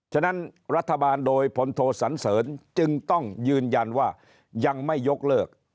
ฉะนั้นรัฐบาลโดยพลโทสันเสริญจึงต้องยืนยันว่ายังไม่ยกเลิก